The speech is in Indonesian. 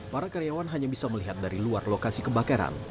para karyawan hanya bisa melihat dari luar lokasi kebakaran